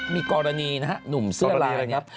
มีกรณีนะครับหนุ่มเสื้อรายครับ